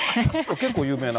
結構有名な。